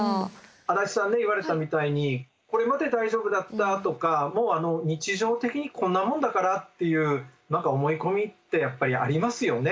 足立さん言われたみたいに「これまで大丈夫だった」とか「もう日常的にこんなもんだから」っていう何か思い込みってやっぱりありますよね。